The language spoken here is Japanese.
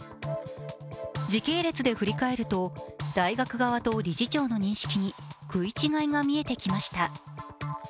時系列で振り返ると大学側と理事長の認識に食い違いが見えてきました。